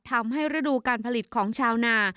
ทำให้ฤดูการผลิตของชาวนา